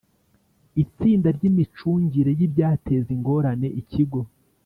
Itsinda ry imicungire y ibyateza ingorane ikigo